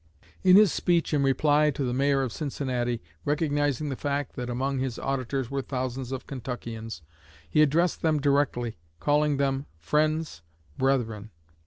In his speech in reply to the Mayor of Cincinnati, recognizing the fact that among his auditors were thousands of Kentuckians, he addressed them directly, calling them 'Friends,' 'Brethren.'